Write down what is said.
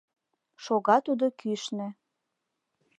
Шога тудо кӱшнӧ